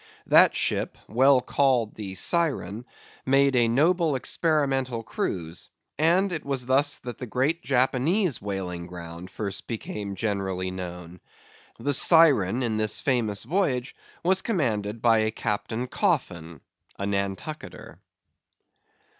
That ship—well called the "Syren"—made a noble experimental cruise; and it was thus that the great Japanese Whaling Ground first became generally known. The Syren in this famous voyage was commanded by a Captain Coffin, a Nantucketer.